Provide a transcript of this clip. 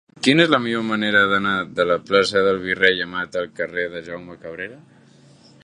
Quina és la millor manera d'anar de la plaça del Virrei Amat al carrer de Jaume Cabrera?